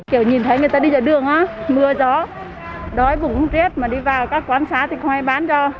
kiểu nhìn thấy người ta đi đường á mưa gió đói bụng riết mà đi vào các quán xá thịt khoai bán cho